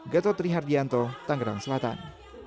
gatotri hardianto tangerang selatan